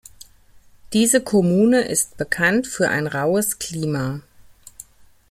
Diese Kommune ist bekannt für ein raues Klima.